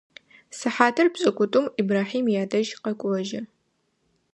Сыхьатыр пшӏыкӏутӏум Ибрахьим ядэжь къэкӏожьы.